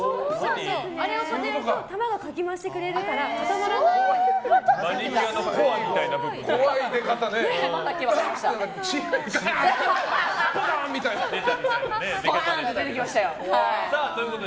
あれを振ってやると玉がかき回してくれるから固まらないように。